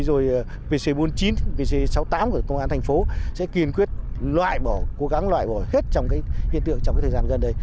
rồi vc bốn mươi chín pc sáu mươi tám của công an thành phố sẽ kiên quyết loại bỏ cố gắng loại bỏ hết trong cái hiện tượng trong thời gian gần đây